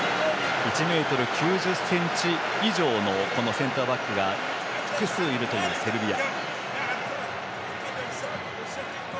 １ｍ９０ｃｍ以上のセンターバック複数いるセルビア。